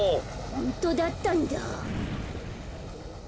ホントだったんだ。